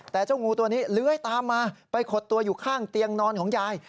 แต่เจ้างูตัวนี้เลื้อยตามมาไปขดตัวอยู่ข้างเตียงนอนของยาย